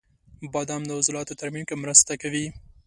• بادام د عضلاتو ترمیم کې مرسته کوي.